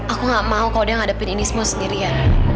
aku gak mau kalau dia ngadepin ini semua sendirian